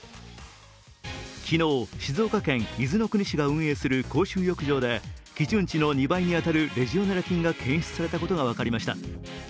昨日、静岡県伊豆の国市が運営する公衆浴場で基準値の２倍に当たるレジオネラ菌が検出されたことが分かりました。